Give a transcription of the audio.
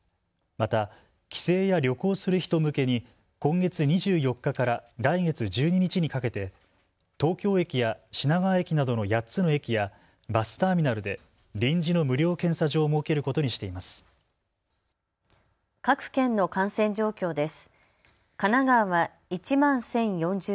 また帰省や旅行する人向けに今月２４日から来月１２日にかけて東京駅や品川駅などの８つの駅やバスターミナルで臨時の無料検査場を設けることにしています。